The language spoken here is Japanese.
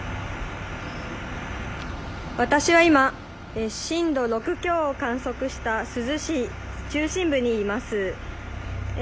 私は今、震度６強を観測した珠洲市中心部にいます。